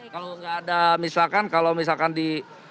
kalau nggak ada misalkan kalau misalkan di